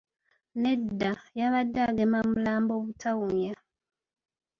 Nedda, yabadde agema mulambo butawunya.